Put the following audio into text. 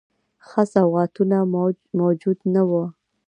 ښه سوغاتونه موجود نه وه.